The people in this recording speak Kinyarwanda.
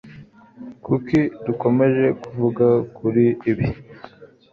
Kuki dukomeje kuvuga kuri ibi?